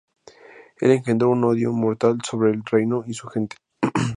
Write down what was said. Él engendró un odio mortal contra el reino y su gente.